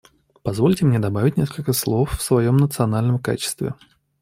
Позвольте мне добавить несколько слов в своем национальном качестве.